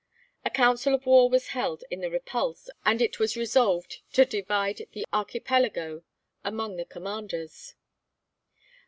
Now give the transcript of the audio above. A council of war was held in the 'Repulse,' and it was resolved to divide the archipelago among the commanders.